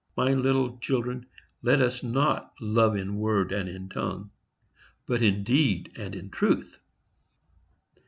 —My little children, let us not love in word and in tongue, but in deed and in truth."